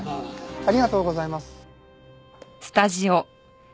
ありがとうございます。